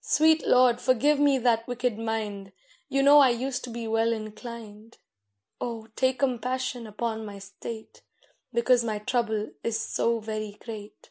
Sweet Lord, forgive me that wicked mind! You know I used to be well inclined. Oh, take compassion upon my state, Because my trouble is so very great.